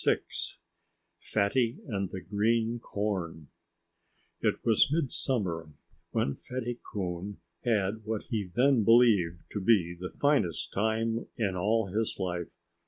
VI FATTY AND THE GREEN CORN It was mid summer when Fatty Coon had what he then believed to be the finest time in all his life.